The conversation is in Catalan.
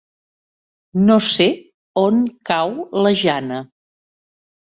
No sé on cau la Jana.